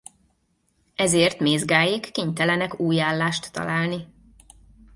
Ezért Mézgáék kénytelenek új állást találni.